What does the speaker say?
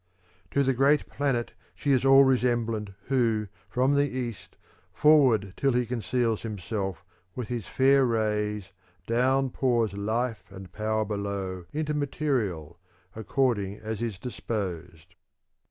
(76) To the great planet she ^ is all resemblant who, from the east forward till he conceals himself, with his fair rays down pours life and power below into material, according as it is disposed.